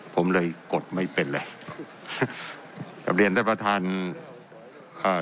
ผมเลยกดไม่เป็นไรกลับเรียนท่านประธานอ่า